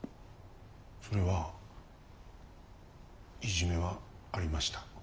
それはいじめはありました。